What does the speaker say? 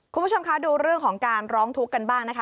คุณผู้ชมคะดูเรื่องของการร้องทุกข์กันบ้างนะคะ